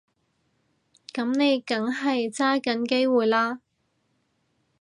噉你梗係揸緊機會啦